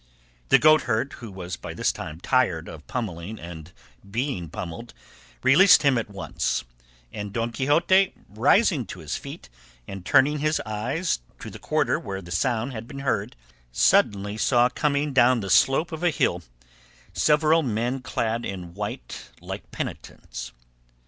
The goatherd, who was by this time tired of pummelling and being pummelled, released him at once, and Don Quixote rising to his feet and turning his eyes to the quarter where the sound had been heard, suddenly saw coming down the slope of a hill several men clad in white like penitents.